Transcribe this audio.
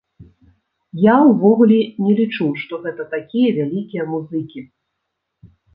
Я ўвогуле не лічу, што гэта такія вялікія музыкі.